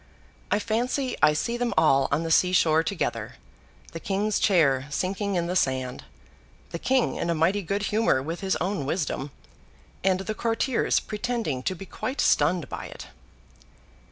I fancy I see them all on the sea shore together; the King's chair sinking in the sand; the King in a mighty good humour with his own wisdom; and the courtiers pretending to be quite stunned by it!